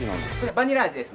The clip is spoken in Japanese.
「バニラです」。